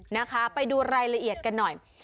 นะคะไปดูรายละเอียดกันหน่อย